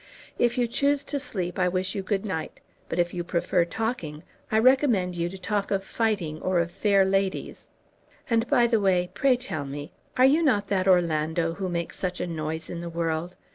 If you choose to sleep I wish you good night; but if you prefer talking I recommend you to talk of fighting or of fair ladies. And, by the way, pray tell me, are you not that Orlando who makes such a noise in the world?